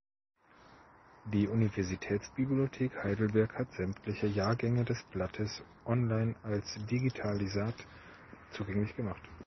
Die Universitätsbibliothek Heidelberg hat sämtliche Jahrgänge des Blattes online als Digitalisat zugänglich gemacht.